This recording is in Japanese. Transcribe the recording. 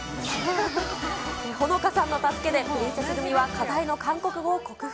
ホノカさんの助けでプリンセス組は課題の韓国語を克服。